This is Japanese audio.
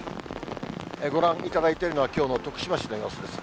ご覧いただいているのは、きょうの徳島市の様子です。